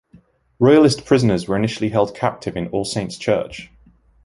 Royalist prisoners were initially held captive in All Saints Church.